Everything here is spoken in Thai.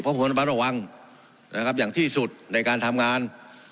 เพราะผมเป็นระวังอย่างที่สุดในการทำงาน